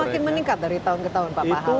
semakin meningkat dari tahun ke tahun pak pahala